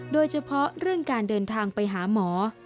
โดยเฉพาะเรื่องการเดินทางไปหาหมอ